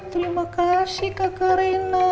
terima kasih kakak reina